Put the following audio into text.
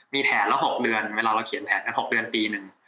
มีแผนละ๖เดือนเวลาเราเขียนแผนกัน๖เดือนปีหนึ่ง